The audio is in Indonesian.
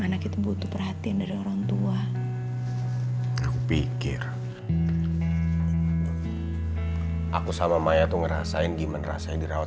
anak itu butuh perhatian dari orang tua aku pikir aku sama maya tuh ngerasain gimana rasanya dirawat